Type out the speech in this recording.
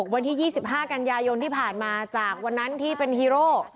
วันที่๒๕กันยายนที่ผ่านมาจากวันนั้นที่เป็นฮีโร่